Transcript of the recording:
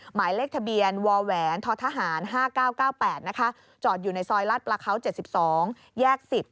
หมายเลขทะเบียนวแหวนททหาร๕๙๙๘นะคะจอดอยู่ในซอยลาดประเขา๗๒แยก๑๐